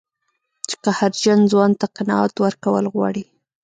چې قهرجن ځوان ته قناعت ورکول غواړي.